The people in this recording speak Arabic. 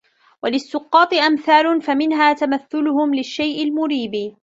وَلِلسُّقَّاطِ أَمْثَالٌ فَمِنْهَا تَمَثُّلُهُمْ لِلشَّيْءِ الْمُرِيبِ